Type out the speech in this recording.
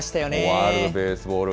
ワールドベースボール